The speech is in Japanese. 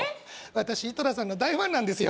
私井戸田さんの大ファンなんですよ